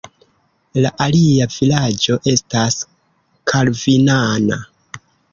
La alia vilaĝo estas kalvinana.